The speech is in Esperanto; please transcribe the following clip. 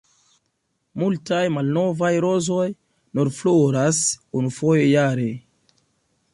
Multaj „malnovaj rozoj“ nur floras unufoje jare.